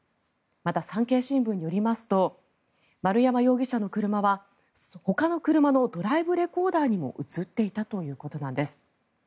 また、産経新聞によりますと丸山容疑者の車はほかの車のドライブレコーダーにも映っていたということなんです。